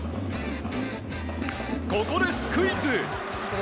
ここでスクイズ！